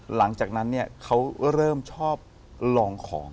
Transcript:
หลังจากนั้นเขาเริ่มชอบลองของ